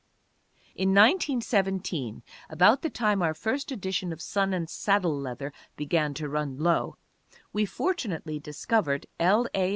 In 1917, about the time our first edition of Sun and Saddle Leather began to run low, we fortunately discovered L. A.